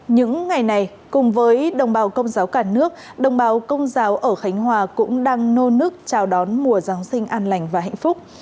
những ngày này cùng với đồng bào công giáo cả nước đồng bào công giáo ở khánh hòa cũng đang nô nức chào đón mùa giáng sinh an lành và hạnh phúc